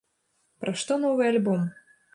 Пра што новы альбом?